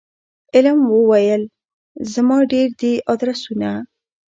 علم وویل زما ډیر دي آدرسونه